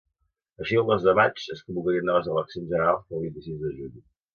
Així, el dos de maig es convocarien noves eleccions generals pel vint-i-sis de juny.